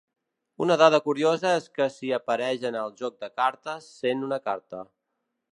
Una dada curiosa és que si apareix en el joc de cartes, sent una carta.